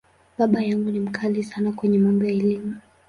Baba yangu ni ‘mkali’ sana kwenye mambo ya Elimu.